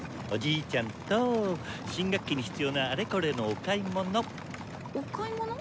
おじいちゃんと新学期に必要なあれこれのお買い物お買い物？